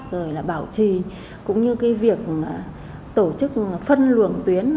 rồi là bảo trì cũng như cái việc tổ chức phân luồng tuyến